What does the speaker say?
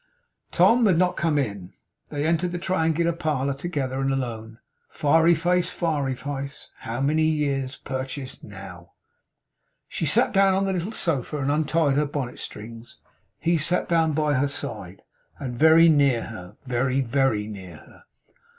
Tom had not come in. They entered the triangular parlour together, and alone. Fiery Face, Fiery Face, how many years' purchase NOW! She sat down on the little sofa, and untied her bonnet strings. He sat down by her side, and very near her; very, very near her.